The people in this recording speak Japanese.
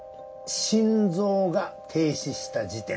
「心臓が停止した時点で」。